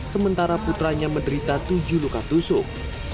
sementara putranya menderita tujuh luka tusuk